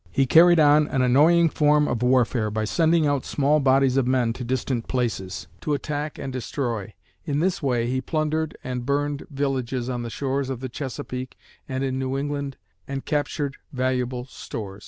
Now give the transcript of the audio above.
He carried on an annoying form of warfare by sending out small bodies of men to distant places, to attack and destroy. In this way he plundered and burned villages on the shores of the Chesapeake and in New England and captured valuable stores.